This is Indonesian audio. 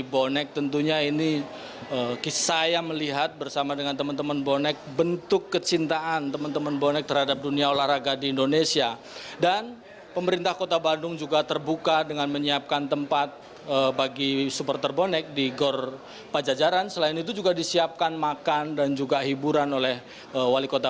bagaimana pengemanan di sana dan apa saja yang dilakukan oleh supporter persebaya di lokasi acara kongres roby